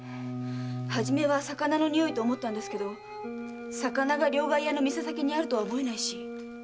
初めは魚の臭いと思ったけど魚が両替屋の店先にあるとは思えないし。